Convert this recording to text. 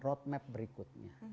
road map berikutnya